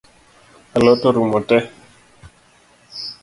A lot orumo tee?